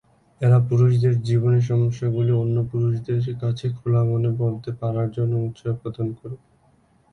এরা পুরুষদের জীবনের সমস্যাগুলি অন্য পুরুষদের কাছে খোলা মনে বলতে পারার জন্য উৎসাহ প্রদান করে।